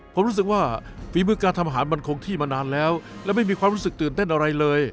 ผมรู้สึกว่าฝีมือการทำอาหารมันคงที่มานานแล้วและไม่มีความรู้สึกตื่นเต้นอะไรเลย